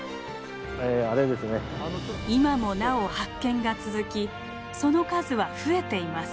今もなお発見が続きその数は増えています。